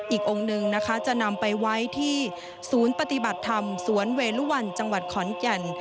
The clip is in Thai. อีกองค์หนึ่งนะคะจะนำไปไว้ที่ศูนย์ปฏิบัติธรรมสวนเวลุวันจังหวัดขอนแก่น